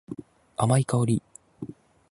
甘い香り。